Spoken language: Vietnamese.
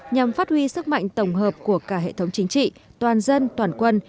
nhằm phát huy sức mạnh tổng hợp của cả hệ thống chính trị toàn dân toàn quân